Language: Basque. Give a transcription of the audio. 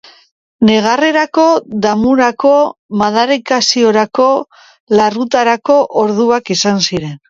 Negarrerako, damurako, madarikaziorako, larrutarako orduak izan ziren.